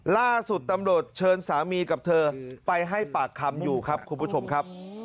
ล่าสุดตำรวจเชิญสามีกับเธอไปให้ปากคำอยู่ครับคุณผู้ชมครับ